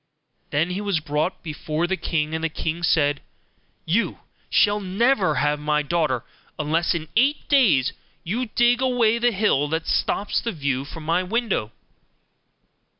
Then he was brought before the king, and the king said, 'You shall never have my daughter unless in eight days you dig away the hill that stops the view from my window.